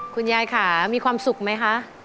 คุณยายค่ะมีความสุขไหมคะ